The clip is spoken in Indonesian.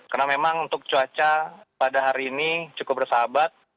karena memang untuk cuaca pada hari ini cukup bersahabat